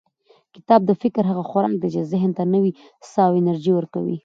کتاب د فکر هغه خوراک دی چې ذهن ته نوې ساه او انرژي ورکوي.